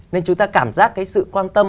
nên chúng ta cảm giác cái sự quan tâm